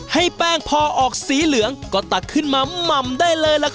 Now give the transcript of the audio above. ให้แป้งพอออกสีเหลืองก็ตักขึ้นมาหม่ำได้เลยล่ะครับ